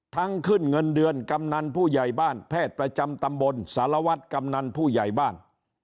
ขึ้นเงินเดือนกำนันผู้ใหญ่บ้านแพทย์ประจำตำบลสารวัตรกำนันผู้ใหญ่บ้าน